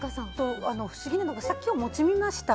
不思議なのはさっきお餅見ました。